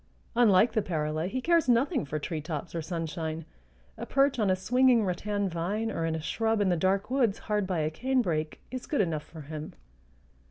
Unlike the parula, he cares nothing for treetops or sunshine; a perch on a swinging rattan vine or in a shrub in the dark woods hard by a canebrake is good enough for him.